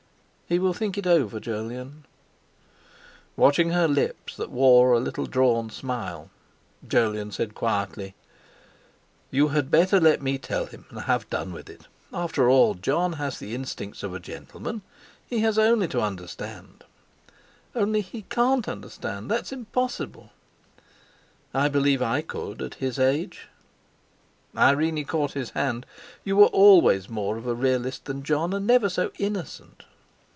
"He will think it over, Jolyon." Watching her lips that wore a little drawn smile, Jolyon said quietly: "You had better let me tell him, and have done with it. After all, Jon has the instincts of a gentleman. He has only to understand—" "Only! He can't understand; that's impossible." "I believe I could have at his age." Irene caught his hand. "You were always more of a realist than Jon; and never so innocent."